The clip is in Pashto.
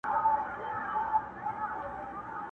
زورور یم خو څوک نه آزارومه،